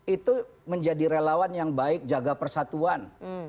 itu menjadi relawan yang baik jaga persatuan